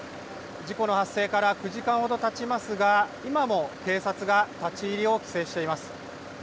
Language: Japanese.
事故の発生から９時間ほどたちますが、今も警察が立ち入りを規制しています。